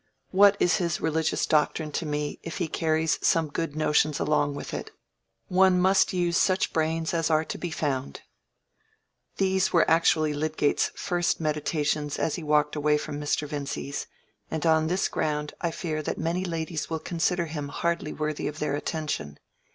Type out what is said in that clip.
"What is his religious doctrine to me, if he carries some good notions along with it? One must use such brains as are to be found." These were actually Lydgate's first meditations as he walked away from Mr. Vincy's, and on this ground I fear that many ladies will consider him hardly worthy of their attention.